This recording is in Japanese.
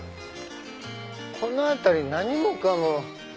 この辺り何もかも。